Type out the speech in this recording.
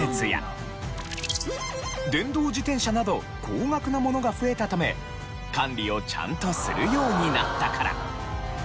電動自転車など高額なものが増えたため管理をちゃんとするようになったから。